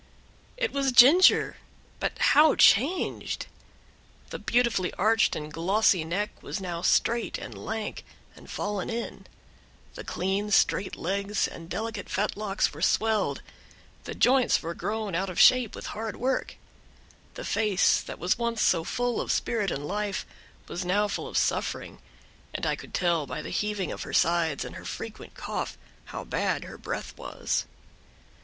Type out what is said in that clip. It was Ginger! but how changed! The beautifully arched and glossy neck was now straight, and lank, and fallen in; the clean straight legs and delicate fetlocks were swelled; the joints were grown out of shape with hard work; the face, that was once so full of spirit and life, was now full of suffering, and I could tell by the heaving of her sides, and her frequent cough, how bad her breath was.